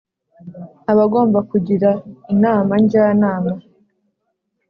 abagomba kugira Inama Njyanama